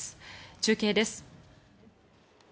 中継です。